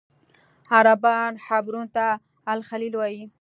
عربان حبرون ته الخلیل وایي.